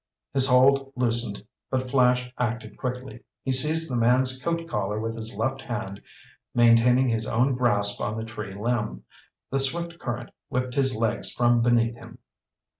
His hold loosened, but Flash acted quickly. He seized the man's coat collar with his left hand, maintaining his own grasp on the tree limb. The swift current whipped his legs from beneath him.